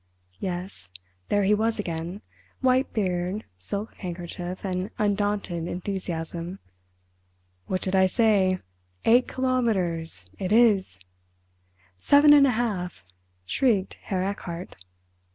Yes, there he was again—white beard, silk handkerchief and undaunted enthusiasm. "What did I say? Eight kilometres—it is!" "Seven and a half!" shrieked Herr Erchardt.